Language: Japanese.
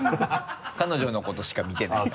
彼女のことしか見てないから。